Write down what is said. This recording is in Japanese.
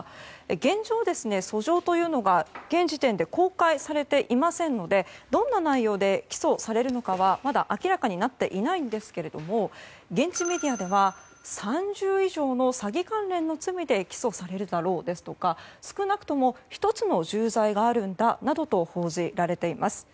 現状、訴状というのが現時点で公開されていませんのでどんな内容で、起訴されるのかはまだ明らかになっていないんですが現地メディアでは３０以上の詐欺関連の罪で起訴されるだろう少なくとも１つの重罪があると報じられています。